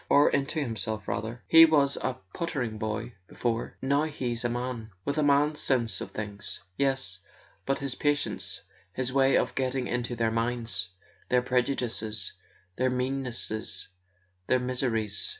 "Or into himself, rather. He was a pottering boy be¬ fore—now he's a man, with a man's sense of things." "Yes; but his patience, his way of getting into their minds, their prejudices, their meannesses, their mis¬ eries